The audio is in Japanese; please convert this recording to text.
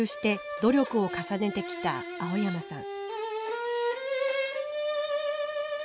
努力を重ねてきた青山さん。